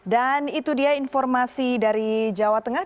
dan itu dia informasi dari jawa tengah